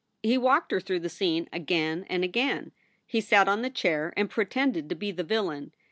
He V_> walked her through the scene again and again. He sat on the chair and pretended to be the villain.